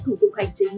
thủ tục hành chính